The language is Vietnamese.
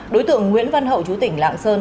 đối tượng nguyễn văn hậu chú tỉnh lạng sơn